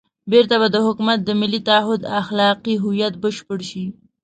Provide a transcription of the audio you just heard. بېرته به د حکومت د ملي تعهُد اخلاقي هویت بشپړ شي.